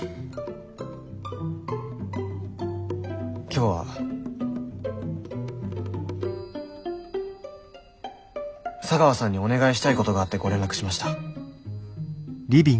今日は茶川さんにお願いしたいことがあってご連絡しました。